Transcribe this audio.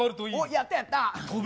やったやった。